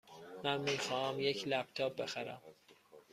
من می خواهم یک لپ تاپ بخرم.